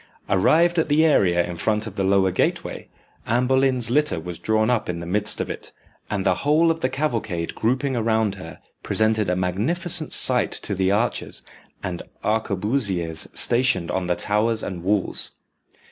Arrived at the area in front of the lower gateway, Anne Boleyn's litter was drawn up in the midst of it, and the whole of the cavalcade grouping around her, presented a magnificent sight to the archers and arquebusiers stationed on the towers and walls.